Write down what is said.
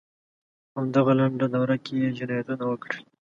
په همدغه لنډه دوره کې یې جنایتونه وکړل.